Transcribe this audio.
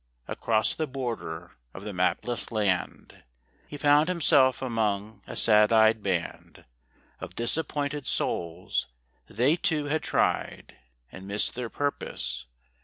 Across the border of the mapless land He found himself among a sad eyed band Of disappointed souls; they, too, had tried And missed their purpose.